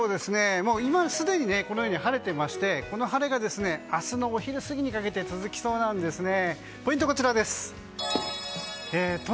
今、すでに晴れていましてこの晴れが明日のお昼過ぎにかけて続きそうなんですね。